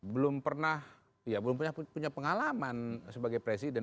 belum pernah ya belum punya pengalaman sebagai presiden